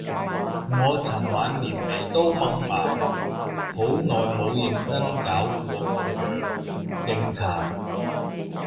我尋晚連眉都掹埋，好耐冇認真搞過個樣，勁殘